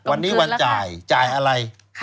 วันนี้วันจ่ายจ่ายอะไร